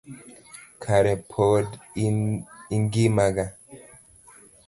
Kare pod ingima gaa?